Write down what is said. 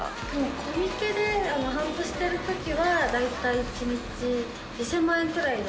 コミケで販売しているときは、大体１日１０００万円くらいの。